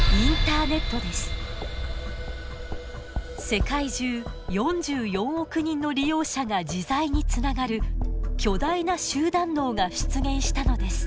世界中４４億人の利用者が自在につながる巨大な集団脳が出現したのです。